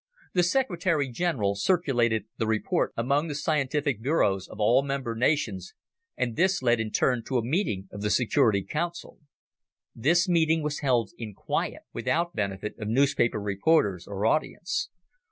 The Secretary General circulated the report among the scientific bureaus of all member nations, and this led in turn to a meeting of the Security Council. This meeting was held in quiet, without benefit of newspaper reporters or audience.